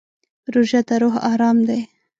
روژه د روح ارام دی.